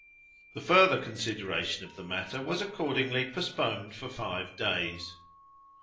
The further consideration of the matter was accordingly postponed for five days.